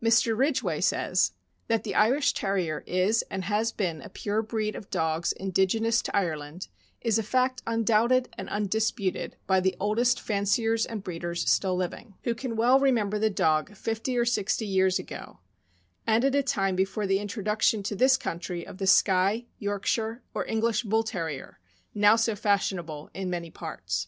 Mr. Ridgway says : That the Irish Terrier is and has been a pure breed of dogs indigenous to Ireland, is a fact undoubted, and undisputed by the oldest fanciers and breeders still living, who can well remember the dog fifty or sixty years ago, and at a time before the introduction to this country of the Skye, Yorkshire, or English Bull Terrier, now so fashionable in many parts.